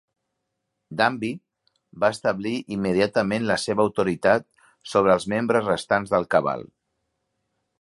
Danby va establir immediatament la seva autoritat sobre els membres restants del Cabal.